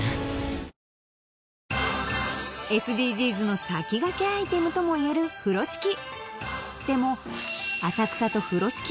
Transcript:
ＳＤＧｓの先駆けアイテムともいえる風呂敷でも浅草と風呂敷